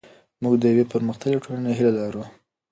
موږ د یوې پرمختللې ټولنې هیله لرو.